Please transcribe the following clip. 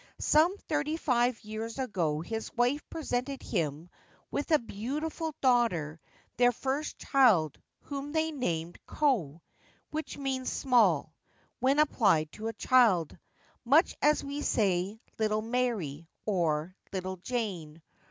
Some thirty five years ago his wife presented him with a beautiful daughter, their first child, whom they called c Ko/ which means ' Small ' when applied to a child, much as we say < Little Mary ' or * Little Jane.'